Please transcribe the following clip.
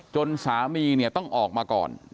จนสามีต้องออกมาก่อน